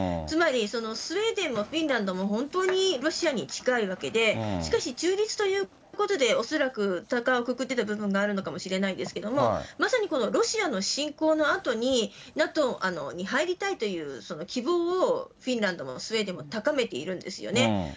つまり、スウェーデンもフィンランドも本当にロシアに近いわけで、しかし、中立ということで恐らくたかをくくってた部分があるのかもしれないですけれども、まさにこのロシアの侵攻のあとに、ＮＡＴＯに入りたいという希望をフィンランドもスウェーデンも高めているんですよね。